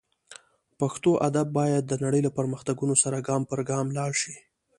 پښتو ادب باید د نړۍ له پرمختګونو سره ګام پر ګام لاړ شي